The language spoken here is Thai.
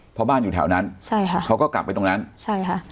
เพราะบ้านอยู่แถวนั้นใช่ค่ะเขาก็กลับไปตรงนั้นใช่ค่ะ